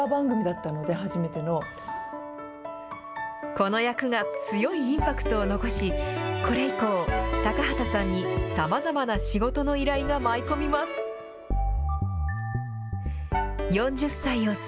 この役が強いインパクトを残し、これ以降、高畑さんにさまざまな仕事の依頼が舞い込みます。